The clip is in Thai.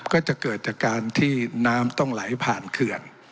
ก็จะเกิดจากการที่น้ำต้องไหลผ่านเขื่อน